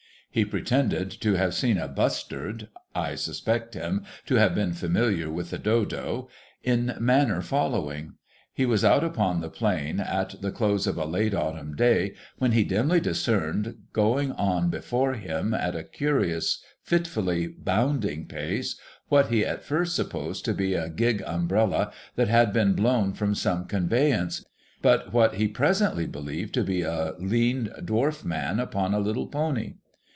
He pretended to have seen a bustard (I suspect him to have been familiar with the dodo), in manner following : He was out upon the plain at the close of a late autumn day, when he dimly discerned, going on before him at a curious, fitfully bounding pace, what he at first supposed to be a gig umbrella that had been blown from some conveyance, but what he presently believed to be a lean dwarf man upon a little pony.